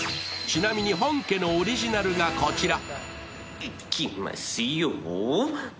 ちなみに、本家のオリジナルがこちら。